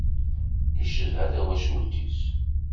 Icedha tawacult-is.